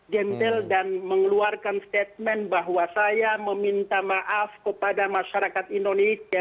gentel dan mengeluarkan statement bahwa saya meminta maaf kepada masyarakat indonesia